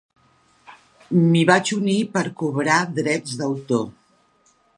M'hi vaig unir per cobrar drets d'autor.